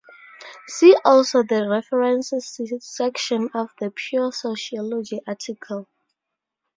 See also, the references section of the Pure Sociology article.